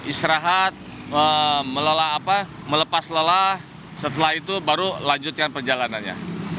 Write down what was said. istirahat melepas lelah setelah itu baru lanjutkan perjalanannya